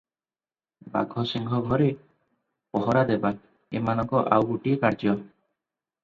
ବାଘସିଂହ ଘରେ ପହରାଦେବା ଏମାନଙ୍କର ଆଉଗୋଟିଏ କାର୍ଯ୍ୟ ।